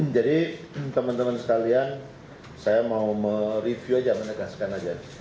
jadi teman teman sekalian saya mau mereview aja menegaskan aja